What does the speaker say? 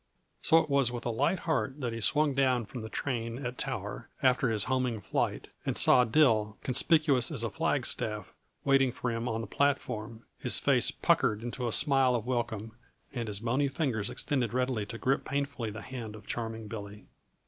So it was with a light heart that he swung down from the train at Tower, after his homing flight, and saw Dill, conspicuous as a flagstaff, waiting for him on the platform, his face puckered into a smile of welcome and his bony fingers extended ready to grip painfully the hand of Charming Billy.